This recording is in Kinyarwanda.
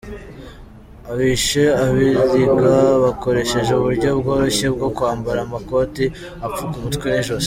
Abishe Abiriga bakoresheje uburyo bworoshye bwo kwambara amakote apfuka umutwe n’ijosi.